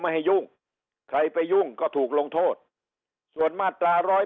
ให้ยุ่งใครไปยุ่งก็ถูกลงโทษส่วนมาตรา๑๔